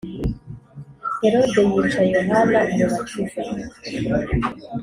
Herode yica Yohana Umubatiza